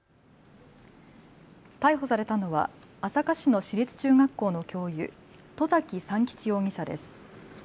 逮捕されたのは朝霞市の市立中学校の教諭、外崎三吉容疑者です。